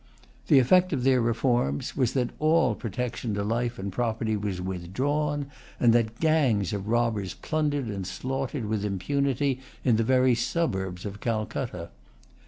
The effect of their reforms was that all protection to life and property was withdrawn, and that gangs of robbers plundered and slaughtered with impunity in the very suburbs of Calcutta.